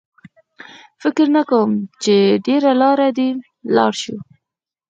فکر نه کوم چې ډېره لار دې ولاړ شو.